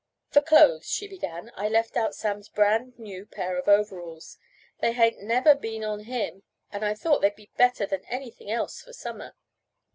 "For clothes," she began, "I left out Sam's brand new pair of overalls. They hain't never been on him, and I thought they'd be better than anything else for summer.